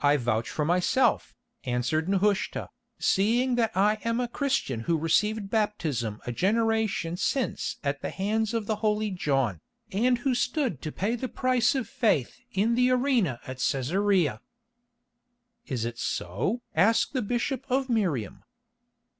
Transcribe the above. "I vouch for myself," answered Nehushta, "seeing that I am a Christian who received baptism a generation since at the hands of the holy John, and who stood to pay the price of faith in the arena at Cæsarea." "Is this so?" asked the bishop of Miriam.